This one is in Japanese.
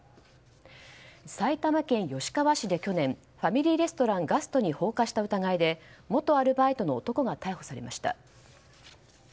埼玉県吉川市で去年ファミリーレストランガストに放火した疑いで元アルバイトの男が逮捕されました。